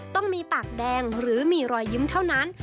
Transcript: ต้องมีปากแดงหรือมีรอยยิ้มเท่านั้น